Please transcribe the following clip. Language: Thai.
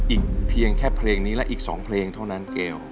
อีกเพียงแค่เพลงนี้และอีก๒เพลงเท่านั้นเกล